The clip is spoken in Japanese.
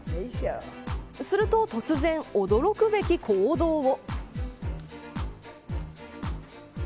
すると突然、驚くべき行動を。